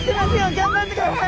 頑張ってください！